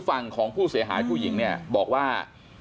ฟังของผู้เสียหายผู้หญิงบอกว่า